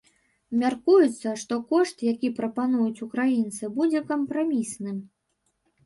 Мяркуецца, што кошт, які прапануюць украінцы, будзе кампрамісным.